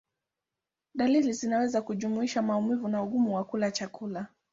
Dalili zinaweza kujumuisha maumivu na ugumu wa kula chakula.